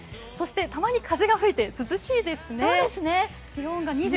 たまに風が吹いて涼しいですね。